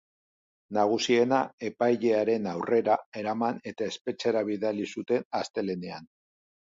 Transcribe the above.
Nagusiena epailearen aurrera eraman eta espetxera bidali zuten astelehenean.